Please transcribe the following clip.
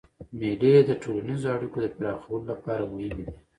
مېلې د ټولنیزو اړیکو د پراخولو له پاره مهمي دي.